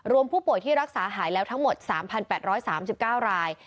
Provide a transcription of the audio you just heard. รวมผู้ป่วยที่รักษาหายแล้วทั้งหมด๓๘๓๙ราย